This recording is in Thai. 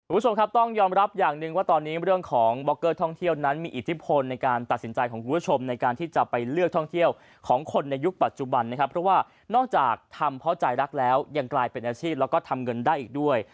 คุณผู้ชมครับต้องยอมรับอย่างหนึ่งว่าตอนนี้เรื่องของบ็อกเกอร์ท่องเที่ยวนั้นมีอิทธิพลในการตัดสินใจของคุณผู้ชมในการที่จะไปเลือกท่องเที่ยวของคนในยุคปัจจุบันนะครับเพราะว่านอกจากทำเพราะใจรักแล้วยังกลายเป็นอาชีพแล้วก็ทำเงินได้อีกด้วย